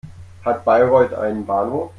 Hat Bayreuth einen Bahnhof?